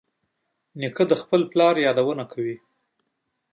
نیکه د خپل پلار یادونه کوي.